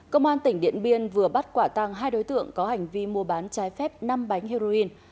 công an tỉnh điện biên vừa bắt quả tăng hai đối tượng có hành vi mua bán trái phép năm bánh heroin